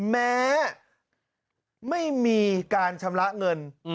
แม้ไม่มีการชำระเงิน